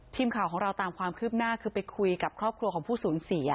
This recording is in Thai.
ทีมข่าวของเราตามความคืบหน้าคือไปคุยกับครอบครัวของผู้สูญเสีย